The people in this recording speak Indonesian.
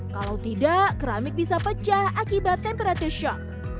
kalau tidak keramik bisa pecah akibat temperatif shock